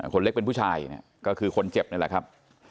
คนเล็กเป็นผู้ชายก็คือคนเจ็บนี่แหละครับ